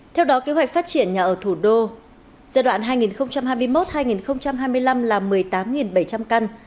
theo đó kế hoạch phát triển nhà ở thủ đô giai đoạn hai nghìn hai mươi một hai nghìn hai mươi năm là một mươi tám bảy trăm linh căn